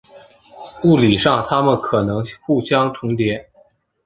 物理上它们可能互相重叠。